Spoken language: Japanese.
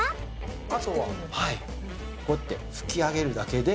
あとはこうやって拭き上げるだけで。